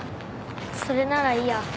それならいいや。